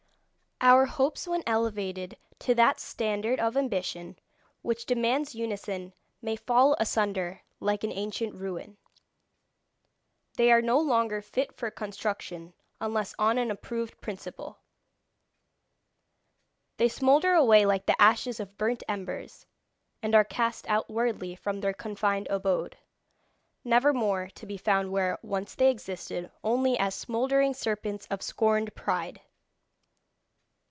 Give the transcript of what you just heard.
Our hopes when elevated to that standard of ambition which demands unison may fall asunder like an ancient ruin. They are no longer fit for construction unless on an approved principle. They smoulder away like the ashes of burnt embers, and are cast outwardly from their confined abode, never more to be found where once they existed only as smouldering serpents of scorned pride.